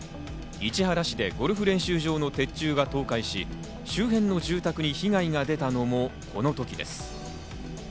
市原市でゴルフ練習場の鉄柱が倒壊し、周辺の住宅に被害が出たのもこの時です。